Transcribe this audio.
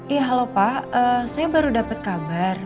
iya halo pak saya baru dapat kabar